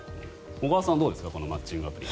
小川さんはどうですかこのマッチングアプリ。